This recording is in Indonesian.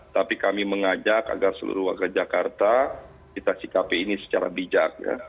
tapi kami mengajak agar seluruh warga jakarta kita sikapi ini secara bijak